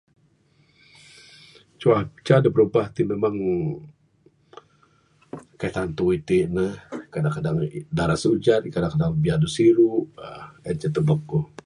Cuaca da birubah ti memang...kaii tantu itin ne...kadang-kadang daras ujan kadang-kadang biadu siru...en ceh tubek ku.